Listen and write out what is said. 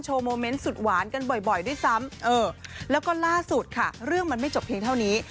โมเมนต์สุดหวานกันบ่อยด้วยซ้ำเออแล้วก็ล่าสุดค่ะเรื่องมันไม่จบเพียงเท่านี้